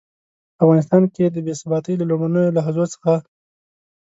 په افغانستان کې د بې ثباتۍ له لومړنيو لحظو څخه.